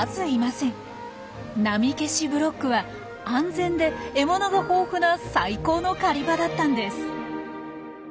波消しブロックは安全で獲物が豊富な最高の狩り場だったんです。